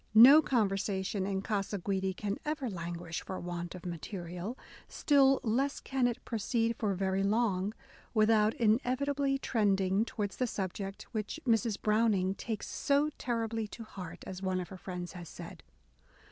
No conversation at Casa A DAY WITH E. B. BROWNING Guidi can ever languish for want of material : still less can it proceed for very long, without inevitably trending towards the subject which Mrs. Browning takes so terribly to heart," as one of her friends has said.